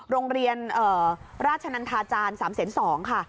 โรงเรียนราชนันทาจารย์๓๒๐๐ค่ะ